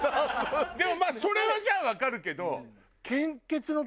でもまあそれはじゃあわかるけど。